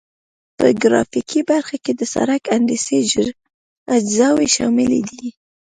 په ګرافیکي برخه کې د سرک هندسي اجزاوې شاملې دي